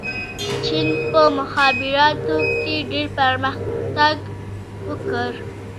چین په مخابراتو کې ډېر پرمختګ وکړ.